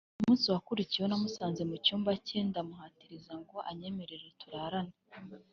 Ku munsi wakurikiyeho namusanze mu cyumba cye ndamuhatiriza ngo anyemerere turarane